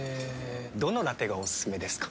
どのラテがおすすめですか？